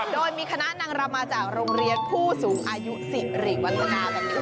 โดยมีคณะนางรำมาจากโรงเรียนผู้สูงอายุสิริวัฒนาแบบนี้